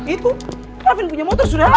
itu kavin punya motor sudah ada